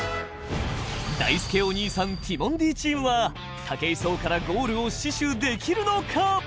だいすけお兄さんティモンディチームは武井壮からゴールを死守できるのか？